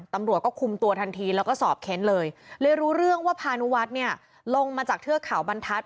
ตำรวจก็คุมตัวทันทีแล้วก็สอบเค้นเลยเลยรู้เรื่องว่าพานุวัฒน์เนี่ยลงมาจากเทือกเขาบรรทัศน